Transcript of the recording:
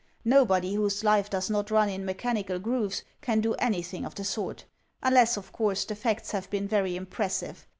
Nobody whose life does not run in mechanical grooves can do an3rthing of the sort; vinless, of course, the facts have been very impressive.